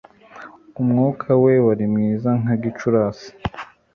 Umwuka we wari mwiza nka Gicurasi